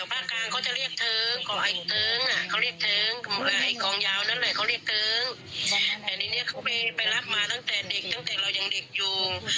พาตั้งแต่เด็กตั้งแต่เรายังเด็กยูง